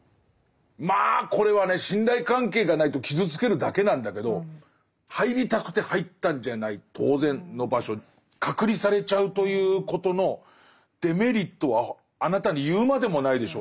まあこれはね信頼関係がないと傷つけるだけなんだけど入りたくて入ったんじゃない当然の場所隔離されちゃうということのデメリットはあなたに言うまでもないでしょう。